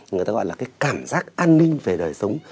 người ta gọi là cái cảm giác an ninh về đời sống